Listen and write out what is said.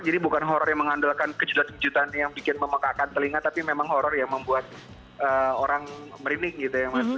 jadi bukan horror yang mengandalkan kejutan kejutan yang membekakan telinga tapi memang horror yang membuat orang merimik gitu ya